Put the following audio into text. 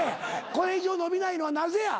これ以上伸びないのはなぜや？